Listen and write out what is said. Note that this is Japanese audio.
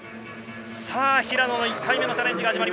平野の１回目のチャレンジ。